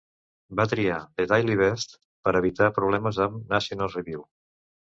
Va triar "The Daily Beast" per evitar problemes amb "National Review".